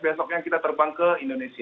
besoknya kita terbang ke indonesia